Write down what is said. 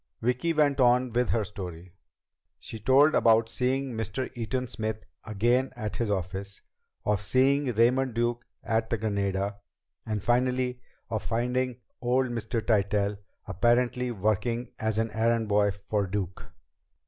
Vicki went on with her story. She told about seeing Mr. Eaton Smith again at his office; of seeing Raymond Duke at the Granada; and finally, of finding old Mr. Tytell apparently working as an errand boy for Duke.